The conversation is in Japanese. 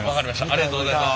ありがとうございます。